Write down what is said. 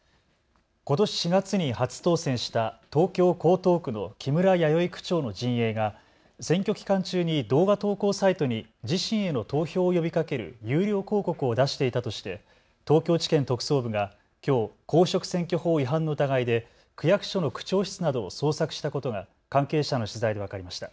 ことし４月に初当選した東京江東区の木村弥生区長の陣営が選挙期間中に動画投稿サイトに自身への投票を呼びかける有料広告を出していたとして東京地検特捜部がきょう公職選挙法違反の疑いで区役所の区長室などを捜索したことが関係者の取材で分かりました。